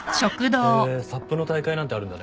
へぇサップの大会なんてあるんだね。